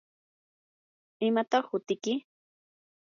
¿imataq hutiyki?